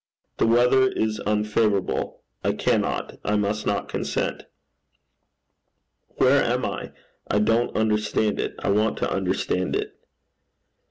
The weather is unfavourable. I cannot I must not consent.' 'Where am I? I don't understand it. I want to understand it.'